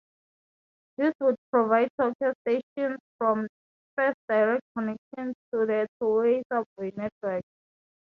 This would provide Tokyo Station's first direct connection to the Toei subway network.